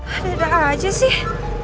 ada ada aja sih